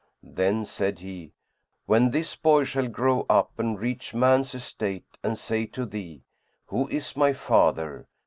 Then said he, "When this boy shall grow up and reach man's estate and say to thee, 'Who is my father?'